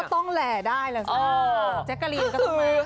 เขาก็ต้องแหล่ได้เลยค่ะ